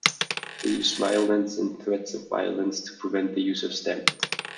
They used violence and threats of violence to prevent the use of stamps.